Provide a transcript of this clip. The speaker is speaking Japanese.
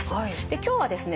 今日はですね